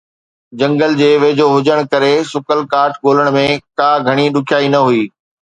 جنگل جي ويجهو هجڻ ڪري سڪل ڪاٺ ڳولڻ ۾ ڪا گهڻي ڏکيائي نه هئي